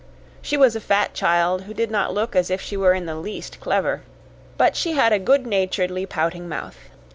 She was a fat child who did not look as if she were in the least clever, but she had a good naturedly pouting mouth.